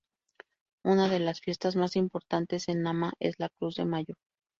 Una de las fiestas más importantes en Nama es la Cruz de Mayo.